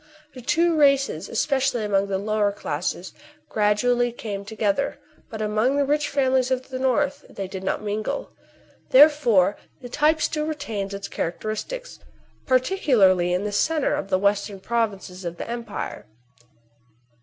The two races, especially among the lower classes, gradually came together ; but among the rich families of the north they did not mingle. Therefore the type still retains its characteristics, particularly in the centre of the western provinces of the empire.